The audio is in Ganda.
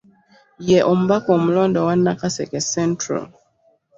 Ye omubaka omulonde owa Nakaseke Central